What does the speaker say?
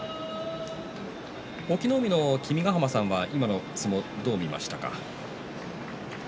隠岐の海の君ヶ濱さんは今の相撲をどう見ましたか？